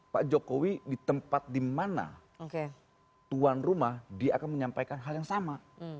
pak jokowi di tempat di mana tuan rumah dia akan menyampaikan hal yang sama